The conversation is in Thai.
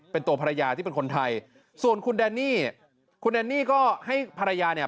เป็นตัวภรรยาที่เป็นคนไทยส่วนคุณแดนนี่คุณแดนนี่ก็ให้ภรรยาเนี่ย